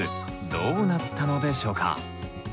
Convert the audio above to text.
どうなったのでしょうか？